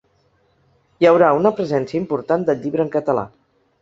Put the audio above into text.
Hi haurà una presència important del llibre en català.